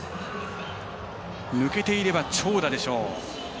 抜けていれば長打でしょう。